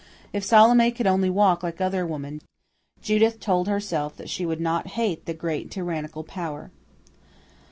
If Salome could only walk like other women, Judith told herself that she would not hate the great tyrannical Power.